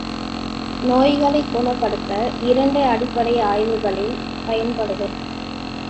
நோய்களைக் குணப்படுத்த இரண்டு அடிப்படை ஆய்வுகளில் பயன்படுதல்.